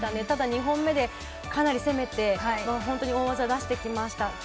ただ、２本目でかなり攻めて大技を出してきました。